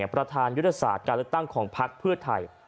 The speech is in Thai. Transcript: ประธานยุทธศาสตร์การเลือกตั้งของพักเพื่อไทย